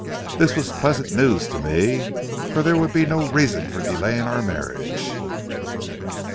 This was pleasant news to me, for there would then be no reason for delaying our marriage.